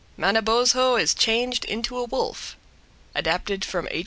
MANAIBOZHO IS CHANGED INTO A WOLF Adapted from H.